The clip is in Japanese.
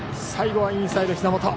最後はインサイドひざ元。